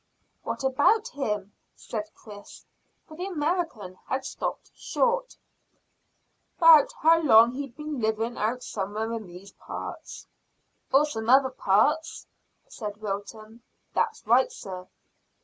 "What about him?" said Chris, for the American had stopped short. "'Bout how long he'd been living out somewhere in these parts." "Or some other parts," said Wilton. "That's right, sir."